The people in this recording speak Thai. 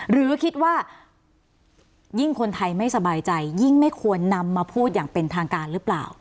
หรือคิดว่ายิ่งคนไทยไม่สบายใจยิ่งไม่ควรนำมาพูดอย่างเป็นทางการหรือเปล่า